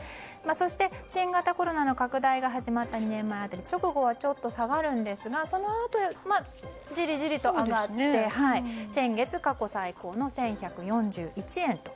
そして、新型コロナの拡大が始まった２年前辺り直後はちょっと下がるんですがそのあとじりじりと上がって先月、過去最高の１１４１円と。